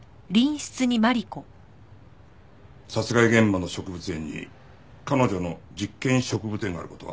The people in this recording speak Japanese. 殺害現場の植物園に彼女の実験植物園がある事は？